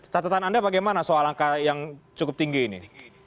catatan anda bagaimana soal angka yang cukup tinggi ini